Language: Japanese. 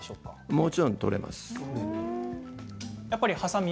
もちろん、取れます。